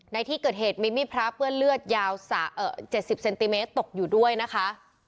ในที่เกิดเหตุมิมิพระเปื้อเลือดยาวสาเอ่อเจ็ดสิบเซนติเมตรตกอยู่ด้วยนะคะ